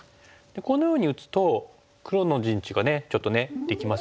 このように打つと黒の陣地がねちょっとできますよね。